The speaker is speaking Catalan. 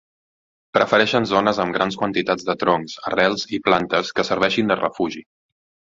Prefereixen zones amb gran quantitat de troncs, arrels i plantes que serveixin de refugi.